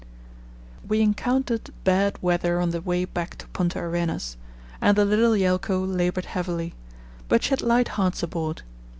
We encountered bad weather on the way back to Punta Arenas, and the little Yelcho laboured heavily; but she had light hearts aboard.